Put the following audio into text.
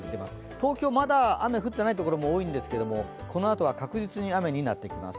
東京、まだ雨が降っていない所も多いんですけど、このあとは確実に雨になってきます。